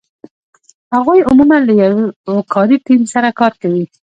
هغوی عمومآ له یو کاري ټیم سره کار کوي.